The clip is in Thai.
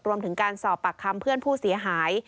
รวมถึงการสอบปากคำเพื่อนผู้เสียหาย